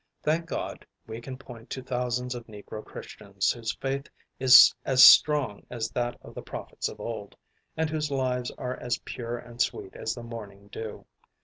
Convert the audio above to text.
Thank God we can point to thousands of Negro Christians whose faith is as strong as that of the prophets of old, and whose lives are as pure and sweet as the morning dew.